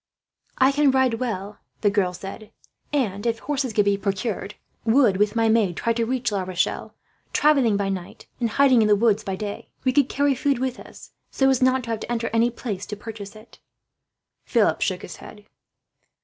"I can ride well," the girl said, "and if horses could be procured would, with my maid, try to reach La Rochelle; travelling by night, and hiding in the woods by day. We could carry food with us, so as not to have to enter any place to purchase it." Philip shook his head.